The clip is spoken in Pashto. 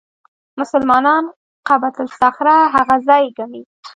مسلمانان قبه الصخره هغه ځای ګڼي.